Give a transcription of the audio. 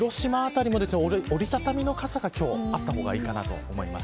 広島辺りも、折り畳みの傘が今日はあった方がいいと思います。